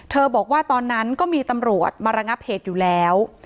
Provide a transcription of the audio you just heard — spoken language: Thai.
บอกว่าตอนนั้นก็มีตำรวจมาระงับเหตุอยู่แล้ว